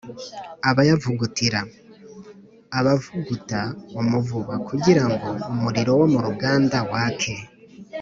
abayavugutira: abavuguta umuvuba kugira ngo umuriro wo mu ruganda wake